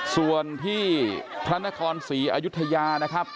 ส่วนที่พระนครศรีอายุทยานะครับ